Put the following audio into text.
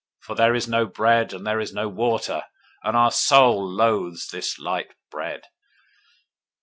for there is no bread, and there is no water; and our soul loathes this light bread.